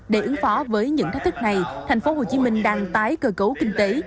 để ứng phó với những thách thức này tp hcm đang tái cơ cấu kinh tế